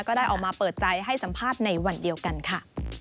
ก็ได้ออกมาเปิดใจให้สัมภาษณ์ในวันเดียวกันค่ะ